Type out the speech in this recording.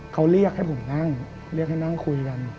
เขาเรียกให้ผมนั่งเรียกให้นั่งคุยกัน